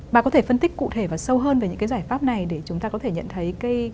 bà có thể phân tích cụ thể và sâu hơn về những cái giải pháp này để chúng ta có thể nhận thấy